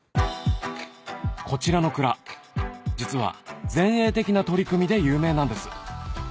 こちらの蔵実は前衛的な取り組みで有名なんです